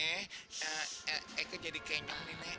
nek eke jadi kenyang nih nek